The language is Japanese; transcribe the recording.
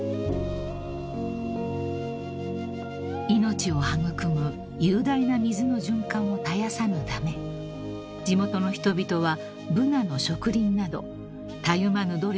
［命を育む雄大な水の循環を絶やさぬため地元の人々はブナの植林などたゆまぬ努力を続けてきました］